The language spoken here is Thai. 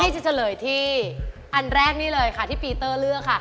อย่างที่จะเฉลยที่อันแรกนี้เลยคระที่พีเตอร์เลือก